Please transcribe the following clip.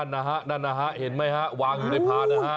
นั่นนะฮะเห็นไหมฮะวางอยู่ในพาด้านนะฮะ